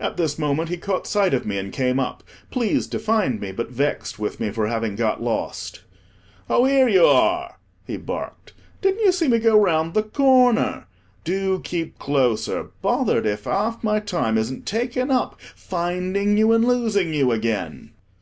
At this moment he caught sight of me, and came up, pleased to find me, but vexed with me for having got lost. "Oh, here you are," he barked; "didn't you see me go round the corner? Do keep closer. Bothered if half my time isn't taken up, finding you and losing you again."